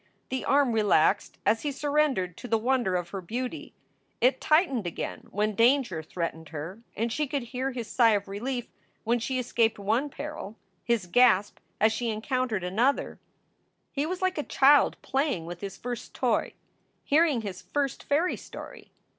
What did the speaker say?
The arm relaxed as he surrendered to the wonder of her beauty. It tightened again when danger threatened her, and she could hear his sigh of relief when she escaped one peril, his gasp as she encountered another. SOULS FOR SALE 401 He was like a child playing with his first toy, hearing his first fairy story.